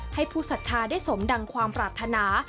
ผู้ศรัทธาได้สมดังความปรารถนา